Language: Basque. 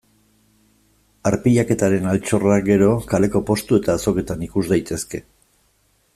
Arpilaketaren altxorrak, gero, kaleko postu eta azoketan ikus daitezke.